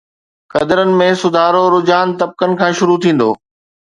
قدرن ۾ سڌارو رجحان طبقن کان شروع ٿيندو.